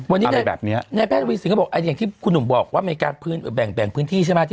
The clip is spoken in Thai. อะไรแบบนี้นะครับ